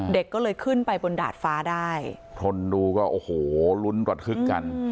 เด็กก็เลยขึ้นไปบนดาดฟ้าได้คนดูก็โอ้โหลุ้นระทึกกัน